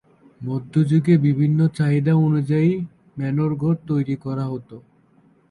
মধ্য যুগে বিভিন্ন চাহিদা অনুযায়ী ম্যানর ঘর তৈরি করা হত।